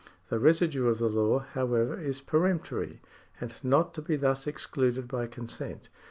The residue of the law, however, is peremptory, and not to be thus excluded by consent.